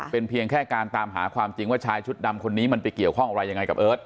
เป็นเพียงแค่การตามหาความจริงว่าชายชุดดำคนนี้มันไปเกี่ยวข้องอะไรยังไงกับเอิร์ท